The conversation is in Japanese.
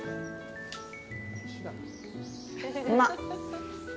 うまっ。